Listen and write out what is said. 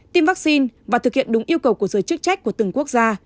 tiêm vaccine và thực hiện đúng yêu cầu của giới chức trách của từng quốc gia